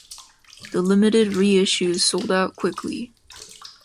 The limited re-issues sold out quickly.